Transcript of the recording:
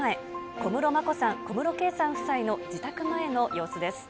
小室眞子さん、小室圭さん夫妻の自宅前の様子です。